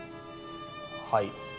はい。